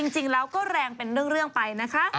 จริงแล้วก็แรงเป็นเรื่องไปนะคะ